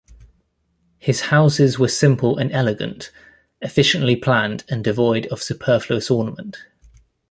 His houses were simple and elegant, efficiently planned and devoid of superfluous ornament.